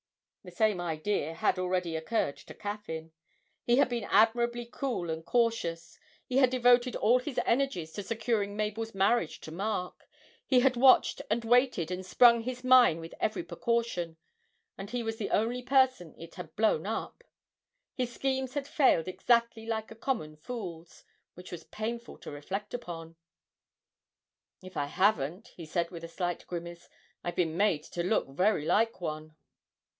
The same idea had already occurred to Caffyn. He had been admirably cool and cautious; he had devoted all his energies to securing Mabel's marriage to Mark; he had watched and waited and sprung his mine with every precaution and he was the only person it had blown up! His schemes had failed exactly like a common fool's which was painful to reflect upon. 'If I haven't,' he said with a slight grimace, 'I've been made to look very like one.'